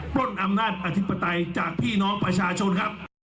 ปล้นอำนาจอธิปไตยจากพี่น้องประชาชนครับ